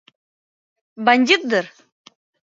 Бандит дыр.